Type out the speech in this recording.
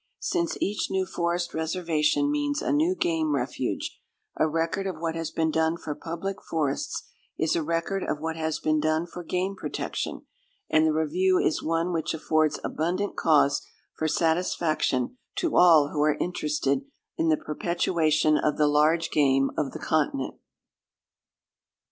Since each new forest reservation means a new game refuge, a record of what has been done for public forests is a record of what has been done for game protection; and the review is one which affords abundant cause for satisfaction to all who are interested in the perpetuation of the large game of the continent.